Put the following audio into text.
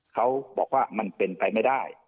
เขาบอกว่ามันเป็นไปไม่ได้